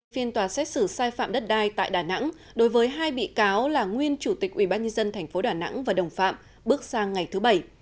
phiên tòa xét xử sai phạm đất đai tại đà nẵng đối với hai bị cáo là nguyên chủ tịch ubnd tp đà nẵng và đồng phạm bước sang ngày thứ bảy